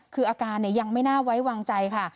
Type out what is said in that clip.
คืออาการยังไม่น่าไว้วางใจค่ะ